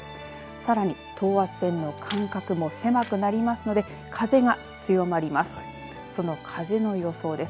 さらに等圧線の間隔も狭くなりますので風が強まります。